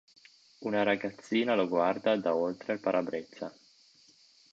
Una ragazzina lo guarda da oltre il parabrezza.